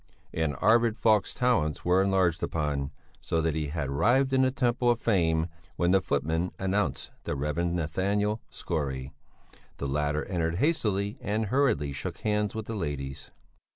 And Arvid Falk's talents were enlarged upon, so that he had arrived in the Temple of Fame when the footman announced the Rev. Nathanael Skore. The latter entered hastily and hurriedly shook hands with the ladies.